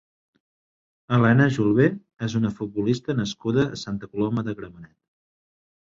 Elena Julve és una futbolista nascuda a Santa Coloma de Gramenet.